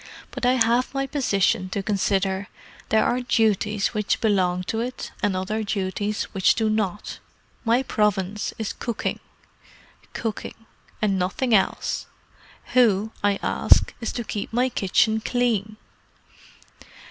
"But I have my position to consider. There are duties which belong to it, and other duties which do not. My province is cooking. Cooking. And nothing else. Who, I ask, is to keep my kitchen clean?"